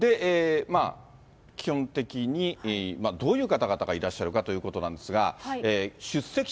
基本的にどういう方々がいらっしゃるかということなんですが、出席者